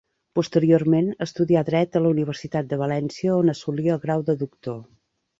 Posteriorment, estudià Dret a la Universitat de València, on assolí el grau de doctor.